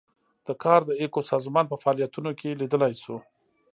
دا کار د ایکو سازمان په فعالیتونو کې لیدلای شو.